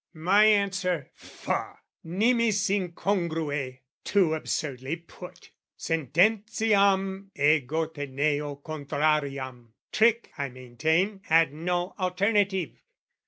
My answer? Faugh! Nimis incongrue! Too absurdly put! Sententiam ego teneo contrariam, Trick, I maintain, had no alternative.